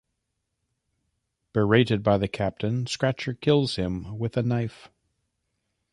Berated by the captain, Scratcher kills him with a knife.